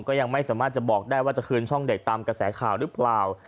ก็ยังไม่สามารถจะบอกได้ว่าจะคืนช่องเด็กตามกระแสข่าวหรือเปล่า